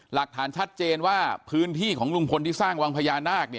หลักฐานชัดเจนว่าพื้นที่ของลุงพลที่สร้างวังพญานาค